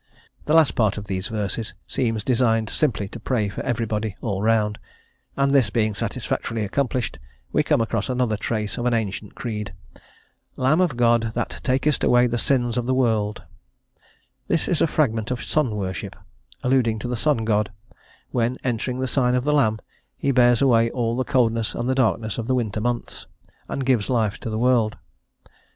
The last part of these verses seems designed simply to pray for everybody all round, and this being satisfactorily accomplished, we come across another trace of an ancient creed: "Lamb of God, that takest away the sins of the world;" this is a fragment of sun worship, alluding to the sun god, when, entering the sign of the Lamb, he bears away all the coldness and the darkness of the winter months, and gives life to the world.